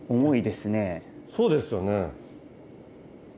そうですよね。